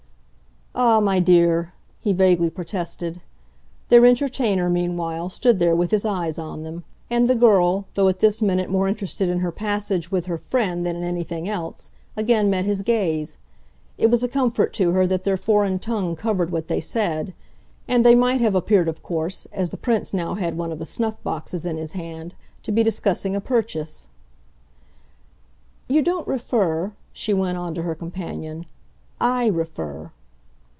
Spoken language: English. "Ah, my dear!" he vaguely protested. Their entertainer, meanwhile, stood there with his eyes on them, and the girl, though at this minute more interested in her passage with her friend than in anything else, again met his gaze. It was a comfort to her that their foreign tongue covered what they said and they might have appeared of course, as the Prince now had one of the snuffboxes in his hand, to be discussing a purchase. "You don't refer," she went on to her companion. "I refer."